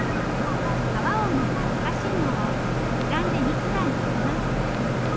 皮をむいたふかしいもを刻んでミキサーに入れます。